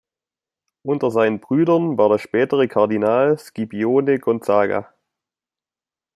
Unter seinen Brüdern war der spätere Kardinal Scipione Gonzaga.